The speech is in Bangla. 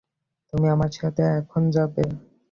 তুমি আমার সাথে এখন যাবে।